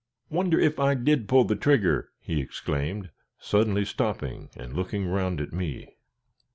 "Wonder if I did pull the trigger!" he exclaimed, suddenly stopping and looking round at me.